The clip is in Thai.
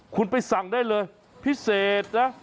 คุณไปสั่งได้เลยพิเศษนะ